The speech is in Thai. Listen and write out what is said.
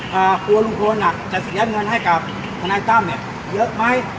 ครัวลุงคลนจัดสิทธิ์ยานเงินให้กับคณะตั้มเนี่ยเยอะไหม